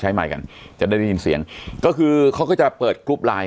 ไมค์กันจะได้ได้ยินเสียงก็คือเขาก็จะเปิดกรุ๊ปไลน์